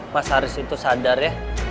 mas haris itu sadar ya